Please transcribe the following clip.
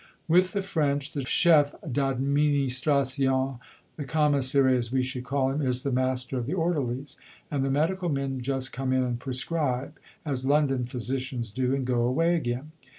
With the French the chef d'administration, the Commissary, as we should call him, is the master of the Orderlies. And the Medical Men just come in and prescribe, as London physicians do, and go away again.